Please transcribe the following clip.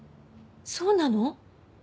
そうなの？